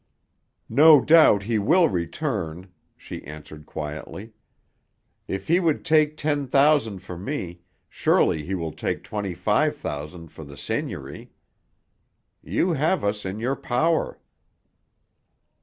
"No doubt he will return," she answered quietly. "If he would take ten thousand for me, surely he will take twenty five thousand for the seigniory. You have us in your power."